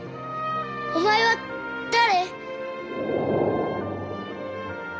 お前は誰！？